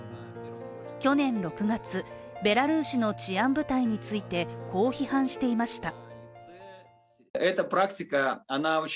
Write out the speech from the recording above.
去年６月、ベラルーシの治安部隊についてこう批判していました。